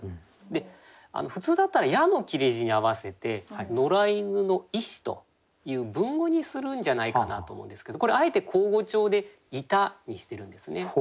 で普通だったら「や」の切れ字に合わせて「野良犬のゐし」という文語にするんじゃないかなと思うんですけどこれあえて口語調で「ゐた」にしてるんですね。